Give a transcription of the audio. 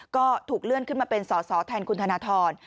ก็ถูกเลื่อนขึ้นมาเป็นสอสอแทนคุณธนทร